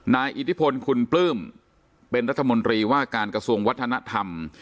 อิทธิพลคุณปลื้มเป็นรัฐมนตรีว่าการกระทรวงวัฒนธรรม